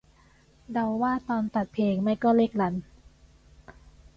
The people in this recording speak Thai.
เดาว่า ตอนตัดเพลง ไม่ก็เลขรัน